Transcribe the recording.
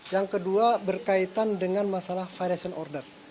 yang kedua berkaitan dengan masalah variation order